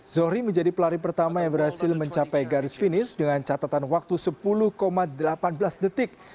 zohri menjadi pelari pertama yang berhasil mencapai garis finish dengan catatan waktu sepuluh delapan belas detik